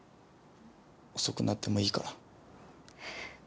遅くなってもいいから。